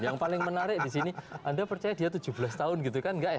yang paling menarik di sini anda percaya dia tujuh belas tahun gitu kan enggak ya